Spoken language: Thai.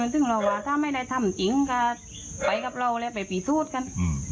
ซึ่งเราว่าถ้าไม่ได้ทำจริงก็ไปกับเราแล้วไปพิสูจน์กัน